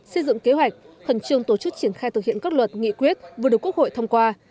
xây dựng kế hoạch khẩn trương tổ chức triển khai thực hiện các luật nghị quyết vừa được quốc hội thông qua